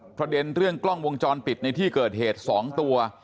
ประเด็นเรื่องกล้องวงจรปิดในที่เกิดเหตุ๒ตัว